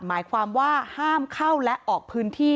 หมายความว่าห้ามเข้าและออกพื้นที่